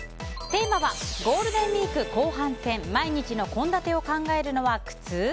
テーマはゴールデンウィーク後半戦毎日の献立を考えるのは苦痛？